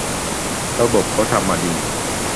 ระบบเขาทำมาดี